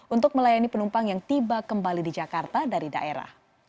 untuk melayani penumpang yang tiba kembali di jakarta dari daerah